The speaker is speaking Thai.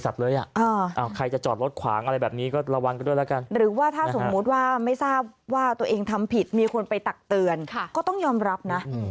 ทุกคนแป๊บ